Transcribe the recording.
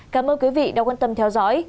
cảm ơn quý vị đã quan tâm theo dõi